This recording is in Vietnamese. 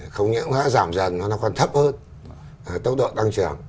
không những nó đã giảm dần nó còn thấp hơn tốc độ tăng trưởng